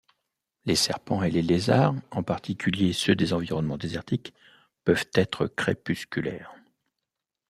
Les serpents et les lézards, en particulier ceux des environnements désertiques, peuvent être crépusculaires.